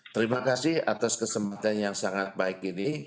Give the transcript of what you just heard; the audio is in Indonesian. terima kasih atas kesempatan yang sangat baik ini